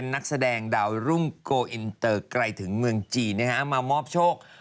นักแสดงดาวรุ่งโกอินเตอร์ไกลถึงเมืองจีนนะฮะมามอบโชค